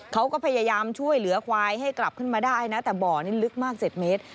เขาก็พยายามช่วยเหลือควายให้กลับขึ้นมาได้นะแต่บ่อนี้ลึกมาก๗เมตร